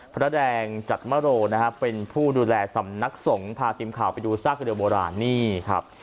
พระแดงจัดมโรนะฮะเป็นผู้ดูแลสำนักสงฆ์พาทีมข่าวไปดูซากเรือโบราณนี่ครับ